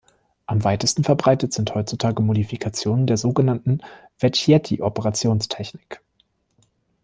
Am weitesten verbreitet sind heutzutage Modifikationen der sogenannten Vecchietti-Operationstechnik.